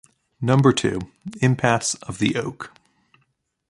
Number two, impasse of the Oak.